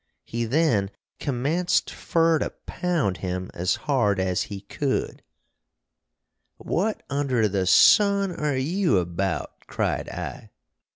He then commenced fur to pound him as hard as he cood. "What under the son are you abowt?" cried I.